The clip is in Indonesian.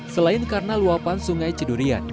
selain karena luapan sungai cedurian